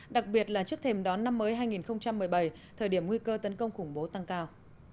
đặc biệt là trước thềm đón năm mới hai nghìn một mươi bảy thời điểm nguy cơ tấn công khủng bố tăng cao